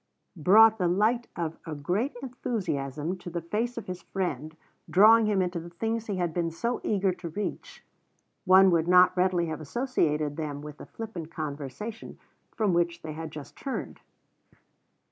brought the light of a great enthusiasm to the face of his friend, drawing him into the things he had been so eager to reach, one would not readily have associated them with the flippant conversation from which they had just turned.